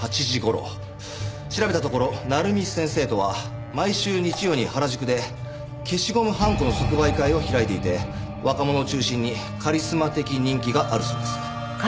調べたところナルミ先生とは毎週日曜に原宿で消しゴムはんこの即売会を開いていて若者を中心にカリスマ的人気があるそうです。